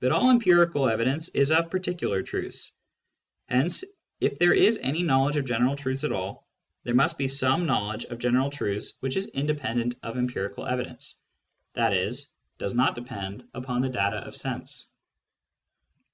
But *;>dl empirical evidence is of particular truths. Hence, if \ there is any knowledge of general truths at all, there must be some knowledge of general truths which is independent of empirical evidence, i.e. does not depend upon the data of sense.